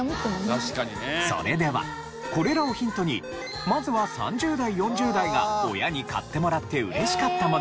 それではこれらをヒントにまずは３０代４０代が親に買ってもらって嬉しかったもの